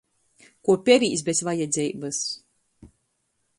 Kuo perīs bez vajadzeibys!